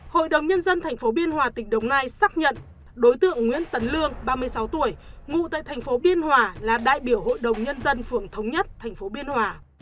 hội đồng nhân dân tp biên hòa tỉnh đồng nai xác nhận đối tượng nguyễn tấn lương ba mươi sáu tuổi ngụ tại thành phố biên hòa là đại biểu hội đồng nhân dân phường thống nhất tp biên hòa